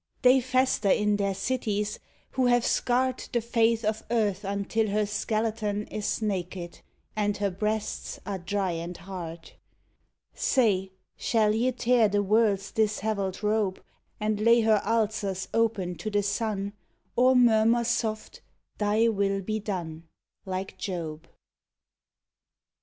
They fester in their cities who have scarred The face of earth until her skeleton Is naked, and her breasts are dry and hard ; Say, shall ye tear the world's dishevelled robe And lay her ulcers open to the sun, Or murmur soft, " Thy will be done I " like Job